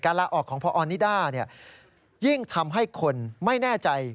ลาออกของพอนิด้ายิ่งทำให้คนไม่แน่ใจ